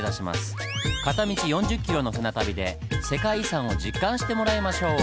片道４０ｋｍの船旅で世界遺産を実感してもらいましょう！